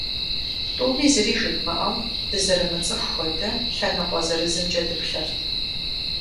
Тӏуми зыри жыдмыӏэу, дызэрымыцӏыху хуэдэ, лъэныкъуэ зырызымкӏэ дыплъэрт.